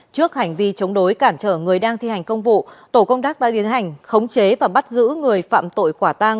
trước hành vi chống đối cản trở người đang thi hành công vụ tổ công tác đã tiến hành khống chế và bắt giữ người phạm tội quả tang